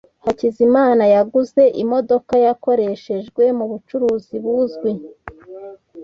Hakizimana yaguze imodoka yakoreshejwe mubucuruzi buzwi.